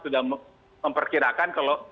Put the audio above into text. sudah memperkirakan kalau